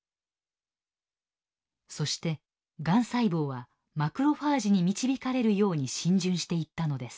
そしてがん細胞はマクロファージに導かれるように浸潤していったのです。